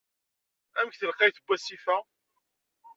Amek telqayt n wasif-a?